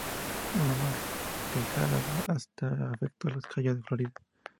Una marejada de hasta afectó a los Cayos de Florida.